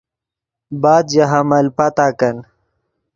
بعد ژے حمل پتاکن